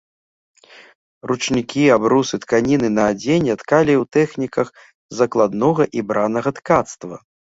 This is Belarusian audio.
Ручнікі, абрусы, тканіны на адзенне ткалі ў тэхніках закладнога і бранага ткацтва.